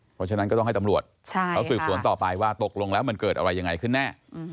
เพราะฉะนั้นก็ต้องให้ตำรวจเขาสืบสวนต่อไปว่าตกลงแล้วมันเกิดอะไรยังไงขึ้นแน่